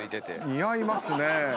似合いますね。